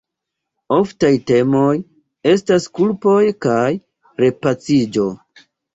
Oftaj temoj estas kulpo kaj repaciĝo.